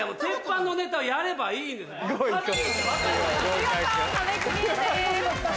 見事壁クリアです。